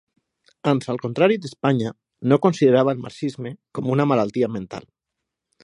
Ans al contrari d'Espanya, no considerava el marxisme com una malaltia mental.